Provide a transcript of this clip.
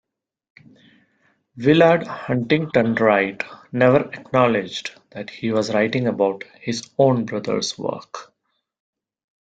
Willard Huntington Wright never acknowledged that he was writing about his own brother's work.